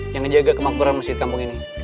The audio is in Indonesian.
yang ngejaga kemakmuran masjid kampung ini